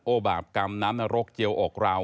บาปกรรมน้ำนรกเจียวอกเรา